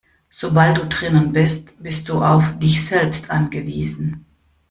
Sobald du drinnen bist, bist du auf dich selbst angewiesen.